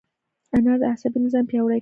انار د عصبي نظام پیاوړی کوي.